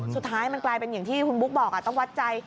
สุดท้ายมันกลายเป็นอย่างที่คุณบุ๊คบอกต้องวัดใจ